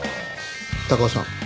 高尾さん。